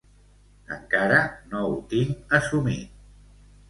Encara no ho tinc assumit.